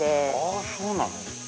ああそうなの。